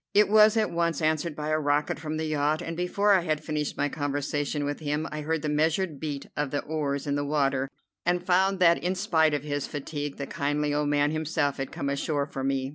It was at once answered by a rocket from the yacht, and before I had finished my conversation with him I heard the measured beat of the oars in the water, and found that in spite of his fatigue the kindly old man himself had come ashore for me.